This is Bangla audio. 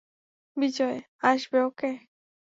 বিজয় আসবে, ওকে?